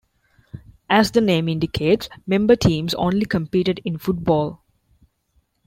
As the name indicates, member teams only competed in football.